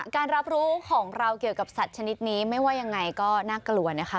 การรับรู้ของเราเกี่ยวกับสัตว์ชนิดนี้ไม่ว่ายังไงก็น่ากลัวนะคะ